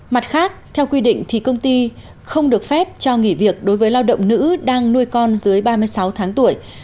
mặt khác theo quy định thì công ty không được phép cho nghỉ việc đối với lao động nữ đang nuôi con dưới ba mươi sáu tháng tuổi